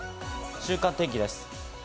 週間天気です。